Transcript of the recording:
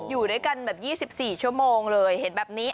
อยู่ด้วยกันแบบ๒๔ชั่วโมงเลยเห็นแบบนี้